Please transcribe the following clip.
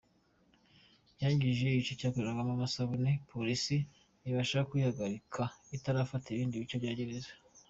Yangije igice cyakorerwagamo amasabune, polisi ibasha kuyihagarika itarafata ibindi bice bya Gereza.